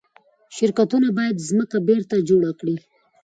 شرکتونه باید ځمکه بیرته جوړه کړي.